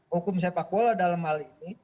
hukum sepak bola dalam hal ini